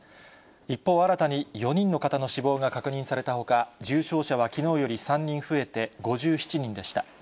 一方、新たに４人の方の死亡が確認されたほか、重症者はきのうより３人増えて５７人でした。